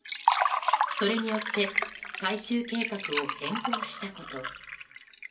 それによって改修計画を変更したこと。